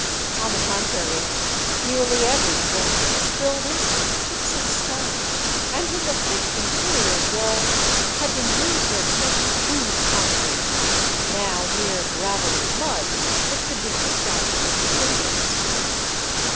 On the contrary, nearly every joint was filled in with chips of stone, and in the thick interior walls had been used a sort of crude concrete, now mere gravelly mud that could be picked out with the fingers.